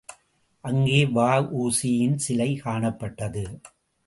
அங்கே வ.உ.சி யின் சிலை காணப்பட்டது.